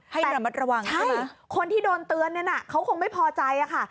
ให้มันมาระวังใช่ไหมใช่คนที่โดนเตือนเนี่ยนะเขาคงไม่พอใจอะค่ะ